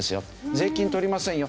税金取りませんよ